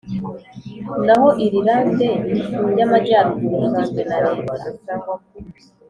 naho Irilande y Amajyaruguru igizwe na leta